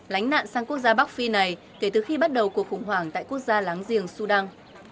lánh nạn sang quốc gia bắc phi này kể từ khi bắt đầu cuộc khủng hoảng tại quốc gia láng giềng sudan